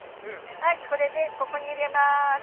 はいこれでここに入れます。